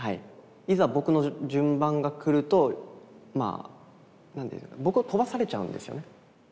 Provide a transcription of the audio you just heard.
いざ僕の順番が来るとまあ僕を飛ばされちゃうんですよね。